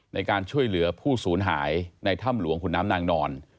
ในการช่วยเหลือผู้ศูนย์หายในถ้ำหลวงขุนน้ำนางนอน